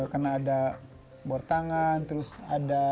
sekarang karena ada bor tangan terus ada bor dungu